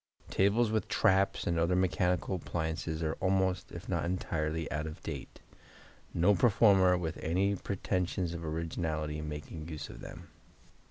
Tables with traps and other mechanical appliances are almost, if not entirely, out of date, no performer with any pretentions of originality making use of them.